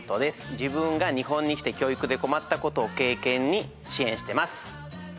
自分が日本に来て教育で困ったことを経験に支援してます